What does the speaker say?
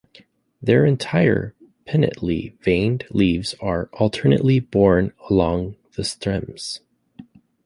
Their entire, pinnately veined leaves are alternately borne along the stems.